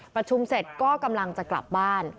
ประชุมเสร็จก็กำลังจะกลับบ้าน